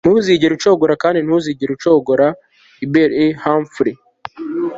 ntuzigere ucogora kandi ntuzigere ucogora. - hubert h. humphrey